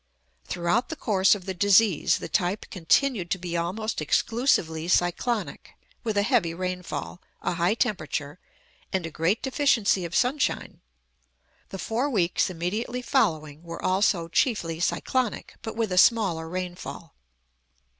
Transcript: Throughout the course of the disease, the type continued to be almost exclusively cyclonic, with a heavy rainfall, a high temperature, and a great deficiency of sunshine. The four weeks immediately following were also chiefly cyclonic, but with a smaller rainfall.